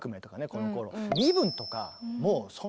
このころ。